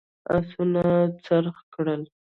آسونه خرڅ کړل.